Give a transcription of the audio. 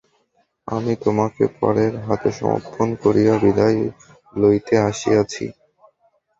আমি তােমাকে পরের হাতে সমর্পণ করিয়া বিদায় লইতে আসিয়াছি।